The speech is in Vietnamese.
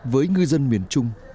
với ngư dân miền trung